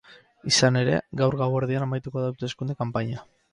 Izan ere, gaur gauerdian amaituko da hauteskunde kanpaina.